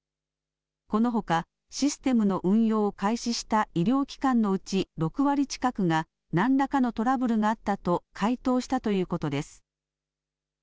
このほか、システムの運用を開始した医療機関のうち６割近くがなんらかのトラブルがあったと回答したということです。